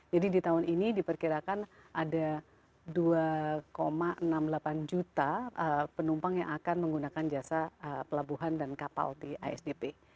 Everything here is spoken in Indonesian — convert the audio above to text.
jadi di tahun ini diperkirakan ada dua enam puluh delapan juta penumpang yang akan menggunakan jasa pelabuhan dan kapal di asdp